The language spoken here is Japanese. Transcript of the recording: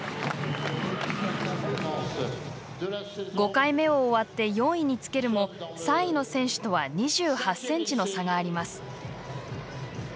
５回目を終わって４位につけるも３位の選手とは２８ｃｍの差があります。